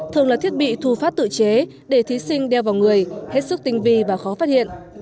thường là thiết bị thu phát tự chế để thí sinh đeo vào người hết sức tinh vi và khó phát hiện